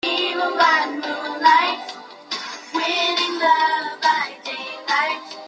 Entre ellos se encontraban los hoteles Venecia, Río Negro, El Prado y El Danubio.